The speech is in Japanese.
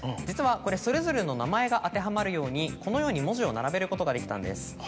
実はこれそれぞれの名前が当てはまるようにこのように文字を並べることができたんです。